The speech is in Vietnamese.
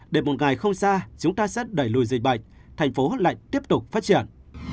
để một ngày không xa chúng ta sẽ đẩy lùi dịch bệnh thành phố lại tiếp tục phát triển